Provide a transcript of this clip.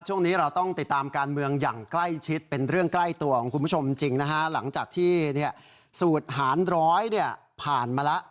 ช่วงนี้เราต้องติดตามการเมืองอย่างใกล้ชิดเป็นเรื่องใกล้ตัวของคุณผู้ชมจริงนะฮะหลังจากที่สูตรหารร้อยเนี่ยผ่านมาแล้ว